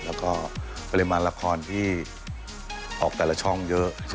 แล้วก็ปริมาณละครที่ออกแต่ละช่องเยอะ